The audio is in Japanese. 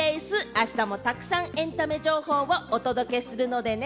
あしたもたくさんエンタメ情報をお届けするのでね。